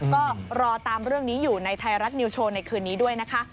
ก็รอตามเรื่องนี้อยู่ในไทยรัฐนิวโชว์ในคืนนี้ด้วยนะคะ